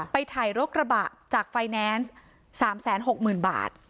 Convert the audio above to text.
ไปถ่ายรถกระบะจากไฟแนนซ์๓๖๐๐๐บาท